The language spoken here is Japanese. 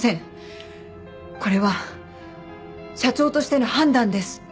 これは社長としての判断です。